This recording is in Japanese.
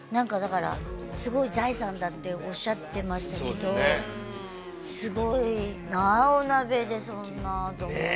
すごい財産だって、おっしゃってましたけど、すごいな、お鍋でそんなと思って。